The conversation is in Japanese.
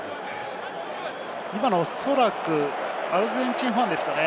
今のは、おそらくアルゼンチンファンですかね。